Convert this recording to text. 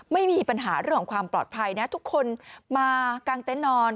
ไม่มีปัญหาเรื่องของความปลอดภัยนะทุกคนมากางเต็นต์นอน